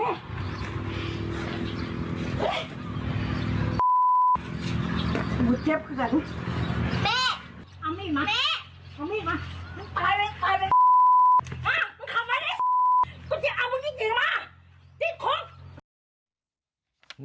กูจะเอามือจิกออกมาจิกคุ้ม